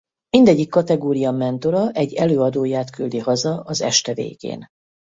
Mindegyik kategória mentora egy előadóját küldi haza az este végén.